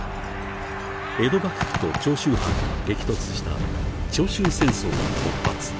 江戸幕府と長州藩が激突した長州戦争が勃発。